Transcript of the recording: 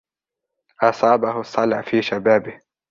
أصابه الصلع في شبابه.